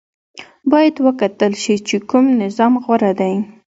باید وکتل شي چې کوم نظام غوره دی.